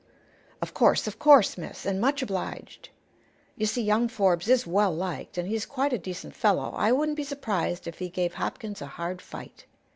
"Of course; of course, miss. And much obliged. You see, young Forbes is well liked, and he's quite a decent fellow. I wouldn't be surprised if he gave Hopkins a hard fight."